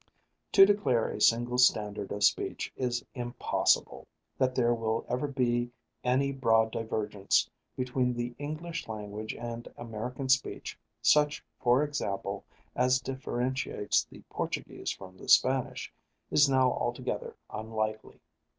To declare a single standard of speech is impossible. That there will ever be any broad divergence between the English language and American speech, such, for example, as differentiates the Portuguese from the Spanish, is now altogether unlikely.